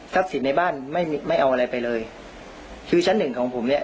สินในบ้านไม่ไม่เอาอะไรไปเลยคือชั้นหนึ่งของผมเนี้ย